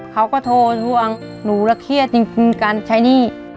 เขาก็โทรทวงหนูแล้วเครียดจริงการใช้หนี้